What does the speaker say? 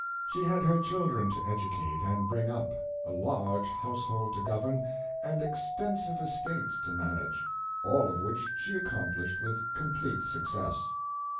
She had her children to educate and bring up, a large household to govern, and extensive estates to manage, all of which she accomplished with complete success.